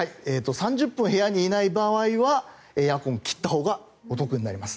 ３０分部屋にいない場合はエアコンを切ったほうがお得になります。